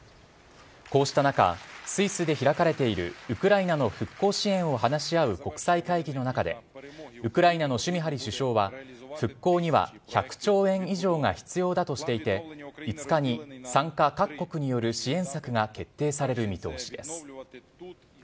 こうした中、スイスで開かれている、ウクライナの復興支援を話し合う国際会議の中で、ウクライナのシュミハリ首相は、復興には１００兆円以上が必要だとしていて、５日に参加各国による支援策が決定される見通しです。